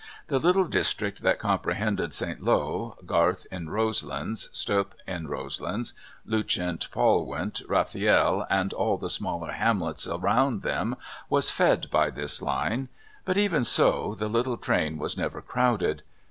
The little district that comprehended St. Lowe, Garth in Roselands, Stoep in Roselands, Lucent Polwint, Rafiel, and all the smaller hamlets around them, was fed by this line; but, even so, the little train was never crowded.